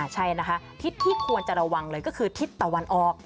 ใช่นะคะทิศที่ควรจะระวังเลยก็คือทิศตะวันออก